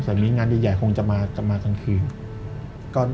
สักวันมีงานใหญ่คงจะมากลางคืน